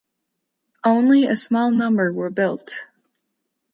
Only a small number were built.